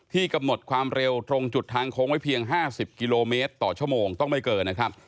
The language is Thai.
กำหนดความเร็วตรงจุดทางโค้งไว้เพียง๕๐กิโลเมตรต่อชั่วโมงต้องไม่เกินนะครับ